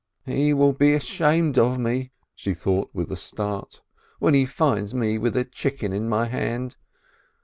"He will be ashamed of me," she thought with a start, "when he finds me with a chicken in my hand.